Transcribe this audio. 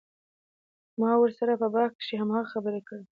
ما ورسره په بحث کښې هماغه خبرې کړلې.